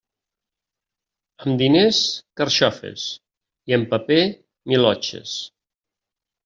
Amb diners, carxofes, i amb paper, milotxes.